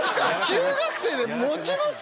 中学生で持ちますか？